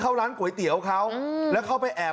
กูชมเห็นคู่หลีมันตามเข้าไปแทง๒